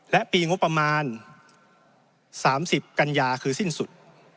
และปีงบประมาณ๓๐กันยาคือสิ้นสุด